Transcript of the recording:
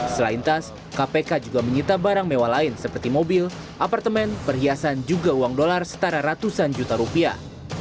selain tas kpk juga menyita barang mewah lain seperti mobil apartemen perhiasan juga uang dolar setara ratusan juta rupiah